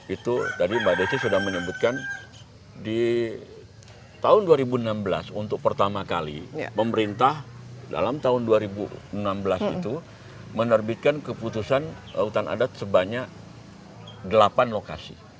itu tadi mbak desi sudah menyebutkan di tahun dua ribu enam belas untuk pertama kali pemerintah dalam tahun dua ribu enam belas itu menerbitkan keputusan hutan adat sebanyak delapan lokasi